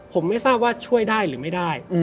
ผมไม่ทราบว่าช่วยได้หรือไม่ได้